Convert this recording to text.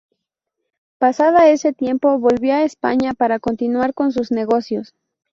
Pasada ese tiempo volvió a España para continuar con sus negocios.